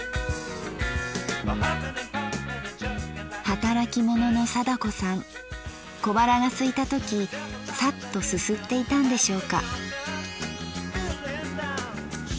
働き者の貞子さん小腹がすいた時サッとすすっていたんでしょうか。